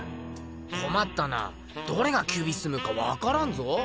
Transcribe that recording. こまったなどれがキュビスムかわからんぞ。